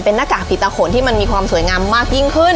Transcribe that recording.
เป็นหน้ากากผีตาขนที่มันมีความสวยงามมากยิ่งขึ้น